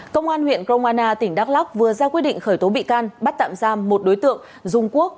công an huyện kromana tỉnh đắk lắc vừa ra quyết định khởi tố bị can bắt tạm giam một đối tượng dung quốc